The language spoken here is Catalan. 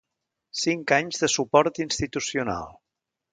Cinc anys de suport institucional.